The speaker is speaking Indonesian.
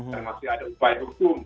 dan masih ada upaya hukum